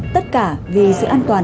tất cả vì sự an toàn